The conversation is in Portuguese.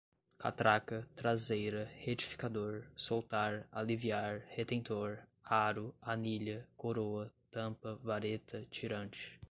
catraca, traseira, retificador, soltar, aliviar, retentor, aro, anilha, coroa, tampa, vareta, tirante